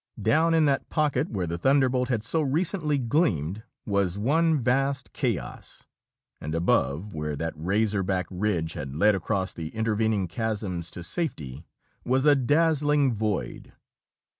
Down in that pocket where the Thunderbolt had so recently gleamed was one vast chaos, and above, where that razor back ridge had led across the intervening chasms to safety, was a dazzling void.